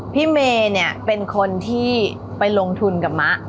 พี่เมย์เนี่ยเป็นคนที่ไปลงทุนกับมะ